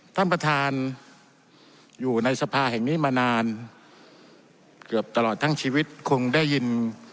ท่านประธานอยู่ในสภาแห่งนี้มานานเกือบตลอดทั้งชีวิตคงได้ยิน